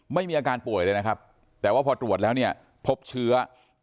ไม่มีอาการป่วยเลยนะครับแต่ว่าพอตรวจแล้วเนี่ยพบเชื้อ